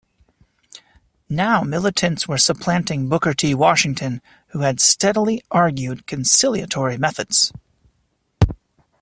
Now militants were supplanting Booker T. Washington, who had "steadily argued conciliatory methods".